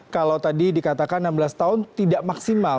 kalau tadi dikatakan enam belas tahun tidak maksimal